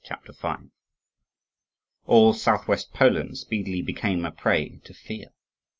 CHAPTER V All South west Poland speedily became a prey to fear.